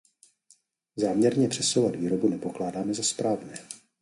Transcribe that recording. Záměrně přesouvat výrobu nepokládáme za správné.